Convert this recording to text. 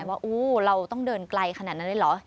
ว่าเราต้องเดินไกลขนาดนั้นเลยเหรอ